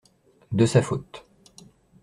De sa faute.